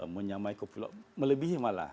menyamai kopi luwak melebihi malah